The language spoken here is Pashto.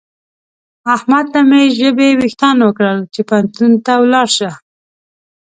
احمد ته مې ژبې وېښتان وکړل چې پوهنتون ته ولاړ شه.